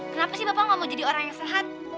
kenapa sih bapak nggak mau jadi orang yang sehat